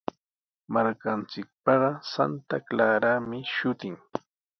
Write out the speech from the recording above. Markanchikpaqa Santa Clarami shutin.